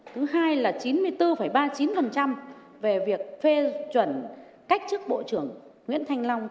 thứ hai là chín mươi bốn ba mươi chín về việc phê chuẩn cách chức bộ trưởng nguyễn thanh long